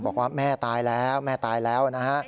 บอกว่าแม่ตายแล้วแม่ตายแล้วนะฮะ